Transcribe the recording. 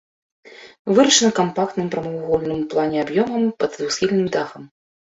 Вырашана кампактным прамавугольным у плане аб'ёмам пад двухсхільным дахам.